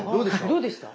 どうでした？